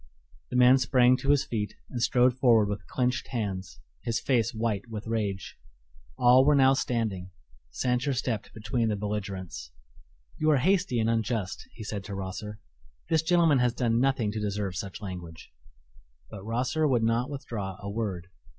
The man sprang to his feet and strode forward with clenched hands, his face white with rage. All were now standing. Sancher stepped between the belligerents. "You are hasty and unjust," he said to Rosser; "this gentleman has done nothing to deserve such language." But Rosser would not withdraw a word.